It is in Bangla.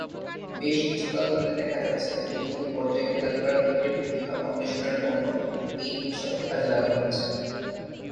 বেশ কিছুকাল ধরে দেখা যাচ্ছে, তৃণমূল পর্যায়ে খেলাধুলার ক্ষেত্রে প্রতিভা অন্বেষণের অন্য, এই উৎসবকে কাজে লাগানো হচ্ছে।